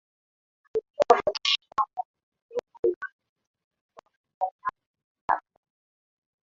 visiwa vya Zanzibar kwa muda mrefu vilitikiswa katika nyanza za siasa